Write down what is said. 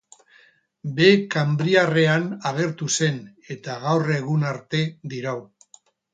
Behe-kanbriarrean agertu zen eta gaur egun arte dirau.